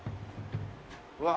うわ。